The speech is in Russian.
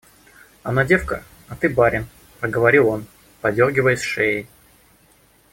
Она девка, а ты барин, — проговорил он, подергиваясь шеей.